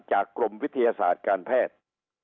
กรมวิทยาศาสตร์การแพทย์